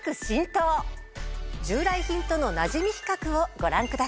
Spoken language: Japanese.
従来品とのなじみ比較をご覧ください。